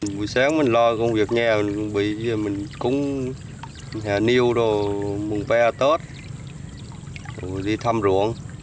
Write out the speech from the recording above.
buổi sáng mình lo công việc nhà bây giờ mình cúng hạ niêu rồi mùng ba tết rồi đi thăm ruộng